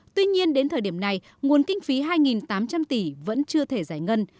tuy nhiên đến thời điểm này nguồn kinh phí hai tám trăm linh tỷ vẫn chưa thể giải ngân